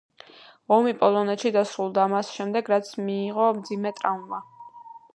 ომი პოლონეთში დაასრულა, მას შემდეგ, რაც მიიღო მძიმე ტრავმა.